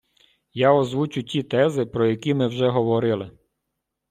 я озвучу ті тези, про які ми вже говорили.